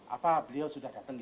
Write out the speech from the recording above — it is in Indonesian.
apa beliau sudah datang